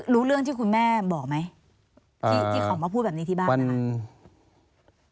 รู้เรื่องที่คุณแม่บอกไหมที่ที่เขามาพูดแบบนี้ที่บ้านนะคะ